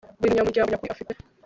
Buri munyamuryango nyakuri afite